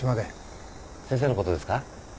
先生のことですか？